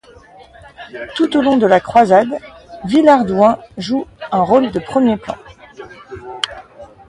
Tout au long de la croisade, Villehardouin joue un rôle de premier plan.